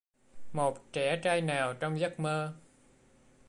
Một trẻ trai nào, trong giấc mơ.